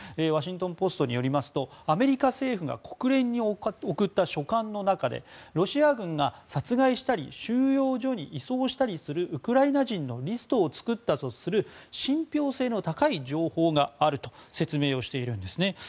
ワシントン・ポストによりますとアメリカ政府が国連に送った書簡の中でロシア軍が殺害したり収容所に移送したりするウクライナ人のリストを作ったとする、信ぴょう性の高い情報があると説明をしているんですね。